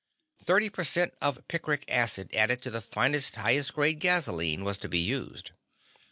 Thirty per cent of picric acid added to the finest, highest grade gasoline was to be used.